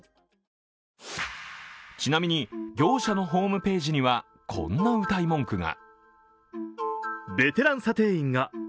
ちなみに、業者のホームページにはこんなうたい文句が。